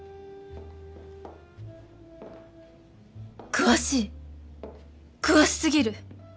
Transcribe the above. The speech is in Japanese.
詳しい詳しすぎる。